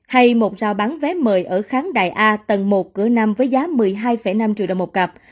hay một rào bán vé mời ở khán đài a tầng một cửa năm với giá một mươi hai năm triệu đồng một cặp